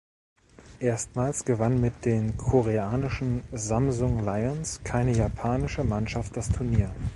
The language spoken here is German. Erstmals gewann mit den koreanischen Samsung Lions keine japanische Mannschaft das Turnier.